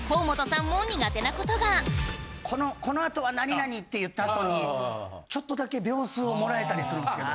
同じく「このあとは何々！」って言ったあとにちょっとだけ秒数を貰えたりするんですけど。